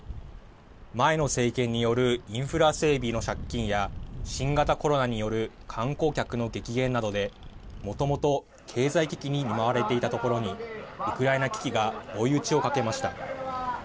前の政権によるインフラ整備の借金や新型コロナによる観光客の激減などでもともと経済危機に見舞われていたところにウクライナ危機が追い打ちをかけました。